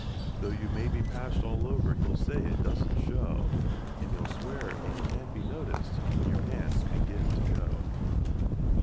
Though you may be patched all over he will say it doesn't show, And he'll swear it can't be noticed when your pants begin to go.